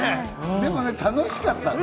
でも楽しかった。